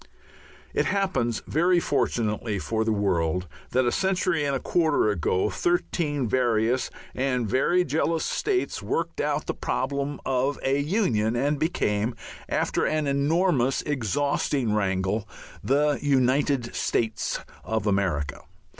It happens, very fortunately for the world, that a century and a quarter ago thirteen various and very jealous states worked out the problem of a Union, and became after an enormous, exhausting wrangle the United States of America.